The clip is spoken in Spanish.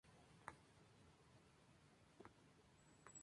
Philip Carteret informó de que la población tenía piel oscura.